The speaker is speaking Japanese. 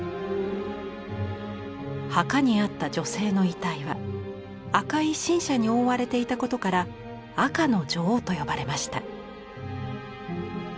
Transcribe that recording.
墓にあった女性の遺体は赤い辰砂に覆われていたことから「赤の女王」と呼ばれました。